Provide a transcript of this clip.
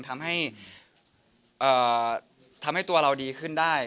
ทำให้ตัวเราดีขึ้นได้